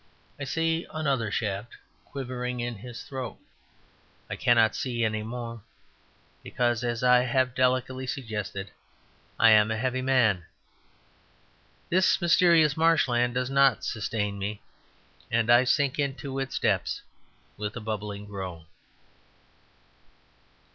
I see another shaft stand quivering in his throat. I cannot see any more, because, as I have delicately suggested, I am a heavy man. This mysterious marshland does not sustain me, and I sink into its depths with a bubbling groan.